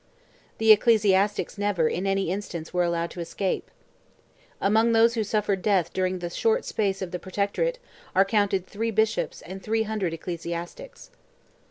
The ecclesiastics never, in any instance, were allowed to escape. Among those who suffered death during the short space of the Protectorate, are counted "three bishops and three hundred ecclesiastics."